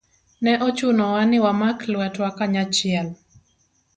Ne ochunowa ni wamak lwetwa kanyachiel